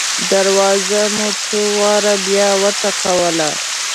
دروازه مو څو واره بیا وټکوله.